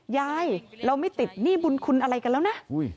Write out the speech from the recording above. ยายเราไม่ติดหนี้บุญคุณอะไรกันแล้วนะ